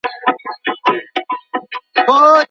د لاس لیکنه د زده کړي پروسه شخصي کوي.